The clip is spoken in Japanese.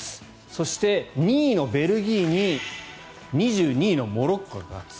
そして２位のベルギーに２２位のモロッコが勝つ。